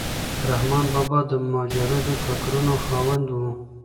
رحمان بابا د مجردو فکرونو خاوند و.